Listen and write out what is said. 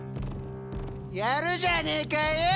やるじゃねえかよう！